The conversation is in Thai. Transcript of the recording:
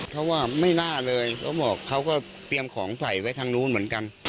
เขาว่าไม่น่าเลยเขาบอกเขาก็เตรียมของใส่ไว้ทางนู้นเหมือนกัน